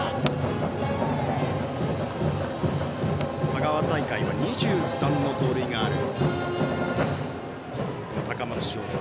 香川大会は２３の盗塁がある高松商業。